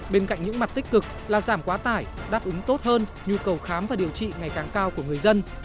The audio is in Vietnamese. bên cạnh những mặt tích cực là giảm quá tải đáp ứng tốt hơn nhu cầu khám và điều trị ngày càng cao của người dân